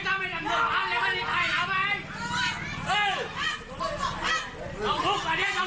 ความขอโทษแค้น